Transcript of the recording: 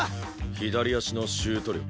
左足のシュート力。